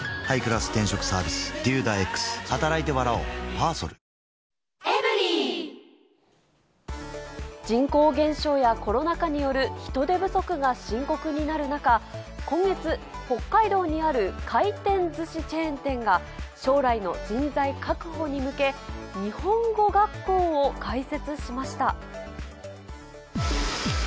「パーフェクトホイップ」人口減少やコロナ禍による人手不足が深刻になる中、今月、北海道にある回転ずしチェーン店が、将来の人材確保に向け、日本語学校を開設しました。